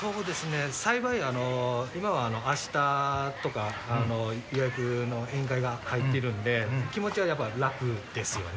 幸い今は、あしたとか予約の宴会が入ってるんで、気持ちはやっぱ楽ですよね。